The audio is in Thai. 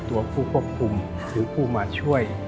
ตัวผู้ควบคุมหรือผู้มาช่วย